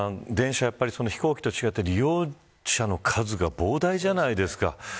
電車は飛行機と違って利用者の数が膨大じゃないですか。